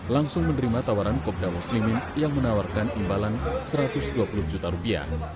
langsung menerima tawaran kopda muslimin yang menawarkan imbalan rp satu ratus dua puluh juta rupiah